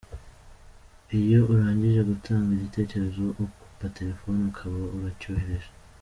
Iyo urangije gutanga igitekerezo ukupa telephone ukaba uracyohereje.